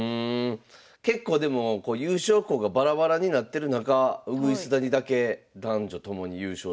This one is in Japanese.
結構でも優勝校がバラバラになってる中鶯谷だけ男女ともに優勝してるという。